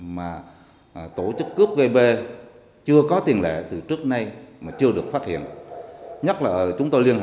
mà tổ chức băng nhóm tội phạm